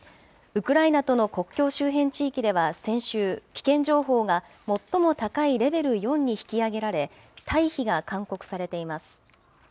ウクライナとの国境周辺地域では先週、危険情報が最も高いレベル４に引き上げられ、退避が勧告されています。